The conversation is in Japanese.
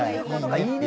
いいね！